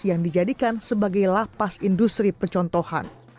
yang dijadikan sebagai lapas industri percontohan